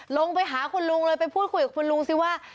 ลงไปหาคุณลุงเลยไปพูดคุยกับคุณลุงสิว่า